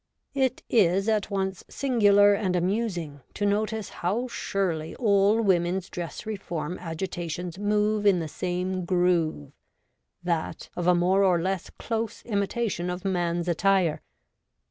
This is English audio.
It is at once singular and amusing to notice how surely all women's dress reform agitations move in the same groove — that of a more or less close 40 REVOLTED WOMAN. imitation of man's attire.